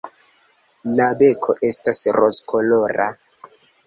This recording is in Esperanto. La beko estas rozkolora.